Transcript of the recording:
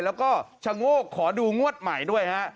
แล้วก็ชะโงกขอดูงวดใหม่ด้วยฮะ